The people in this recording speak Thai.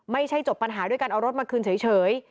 จบปัญหาด้วยการเอารถมาคืนเฉย